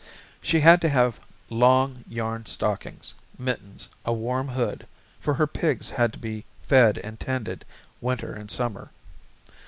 She had to have long yarn stockings, mittens, a warm hood, for her pigs had to be fed and tended winter and summer.